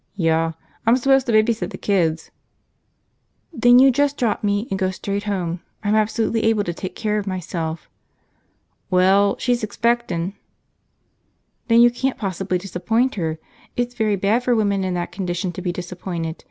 "Yuh. I'm s'pose to baby sit the kids." "Then you just drop me and go straight home. I'm absolutely able to take care of myself." "Well ... she's expectin'." "Then you can't possibly disappoint her. It's very bad for women in that condition to be disappointed.